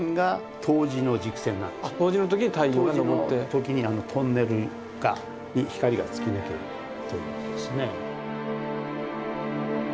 冬至の時にあのトンネルに光が突き抜けるということですね。